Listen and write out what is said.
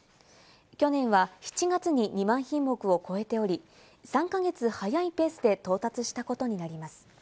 去年は７月に２万品目を超えており、３か月早いペースで到達したことになります。